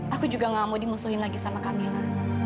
aku juga gak mau dimusuhin lagi sama camilla